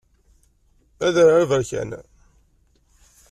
Adrar aberkan.